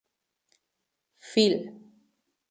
N. Phil.